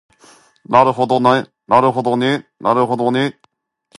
あなるほどね